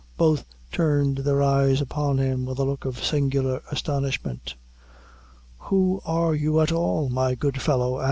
Both turned their eyes upon him with a look of singular astonishment. "Who are you at all, my good fellow?"